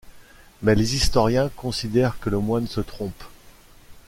Mais les historiens considèrent que le moine se trompe.